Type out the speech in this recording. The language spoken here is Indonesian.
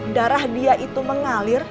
darah dia itu mengalir